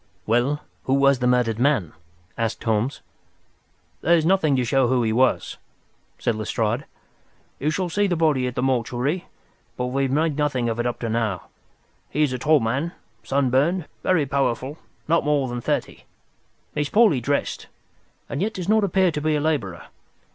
"Well, who was the murdered man?" asked Holmes. "There's nothing to show who he was," said Lestrade. "You shall see the body at the mortuary, but we have made nothing of it up to now. He is a tall man, sunburned, very powerful, not more than thirty. He is poorly dressed, and yet does not appear to be a labourer.